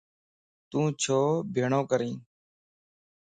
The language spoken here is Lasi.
تو ڇو ٻيھڻو ڪرين؟